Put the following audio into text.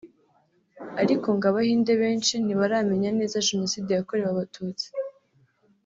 ariko ngo Abahinde benshi ntibaramenya neza Jenoside yakorewe Abatutsi